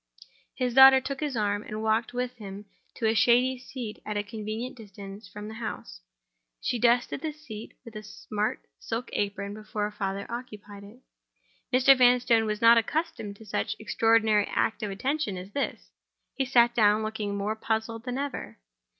His daughter took his arm, and walked with him to a shady seat at a convenient distance from the house. She dusted the seat with her smart silk apron before her father occupied it. Mr. Vanstone was not accustomed to such an extraordinary act of attention as this. He sat down, looking more puzzled than ever.